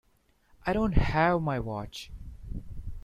I don't have my watch.